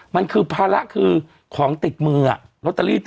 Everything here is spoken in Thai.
มันคือภาระคือของติดมือลอตเตอรี่